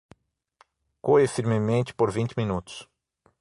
Coe firmemente por vinte minutos.